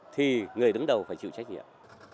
thì người đứng đầu phải chịu trách nhiệm